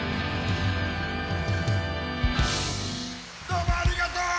どうもありがとう！